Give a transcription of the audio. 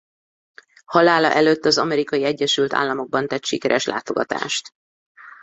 Halála előtt az Amerikai Egyesült Államokban tett sikeres látogatást.